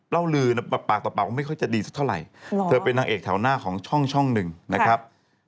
เล่าลือปากต่อปากว่าไม่ค่อยจะดีสักเท่าไหร่เธอเป็นนางเอกแถวหน้าของช่องหนึ่งนะครับ